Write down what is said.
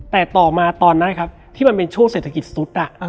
แต่ต่อมาตอนนั้นครับที่มันเป็นช่วงเศรษฐกิจซุด